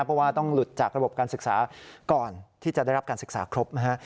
เพราะว่าต้องหลุดจากระบบการศึกษาก่อนที่จะได้รับการศึกษาครบนะฮะ